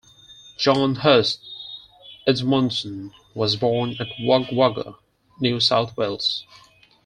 John Hurst Edmondson was born at Wagga Wagga, New South Wales.